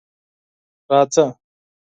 _راځه.